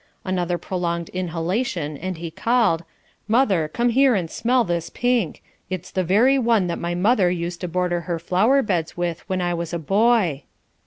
Another prolonged inhalation and he called, "Mother, come here and smell this pink; it's the very one that my mother used to border her flowerbeds with when I was a boy."